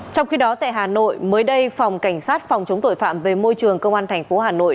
trong khi đó tại hà nội mới đây phòng cảnh sát phòng chống tội phạm về môi trường công an tp hà nội